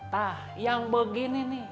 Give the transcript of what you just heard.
tah yang begini nih